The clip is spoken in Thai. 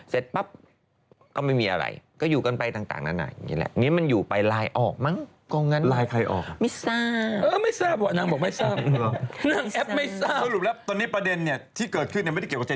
เสร็จปั๊บก็ไม่มีอะไรก็อยู่กันไปต่างนานาอย่างนี้แหละ